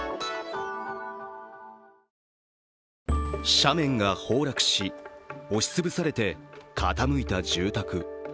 斜面が崩落し、押しつぶされて傾いた住宅。